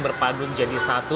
berpadu menjadi satu